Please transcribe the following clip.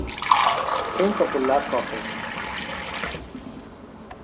Think of the luck of it.